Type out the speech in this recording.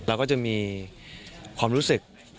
เราก็จะมีความรู้สึกเรื่องของความสูญเสียอยู่บ้างนะครับ